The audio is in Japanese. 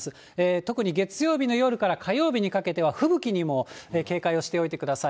特に月曜日の夜から火曜日にかけては吹雪にも警戒をしておいてください。